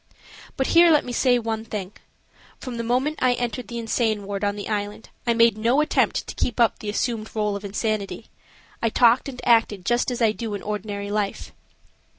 But here let me say one thing: From the moment I entered the insane ward on the Island, I made no attempt to keep up the assumed role of insanity. I talked and acted just as I do in ordinary life.